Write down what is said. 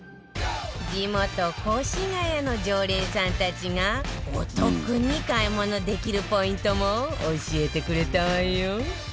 地元越谷の常連さんたちがお得に買い物できるポイントも教えてくれたわよ